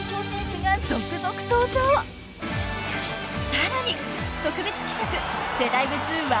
［さらに特別企画］